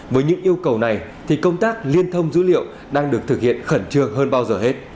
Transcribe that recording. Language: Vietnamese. với những yêu cầu này thì công tác liên thông dữ liệu đang được thực hiện khẩn trương hơn bao giờ hết